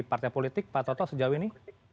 partai politik pak toto sejauh ini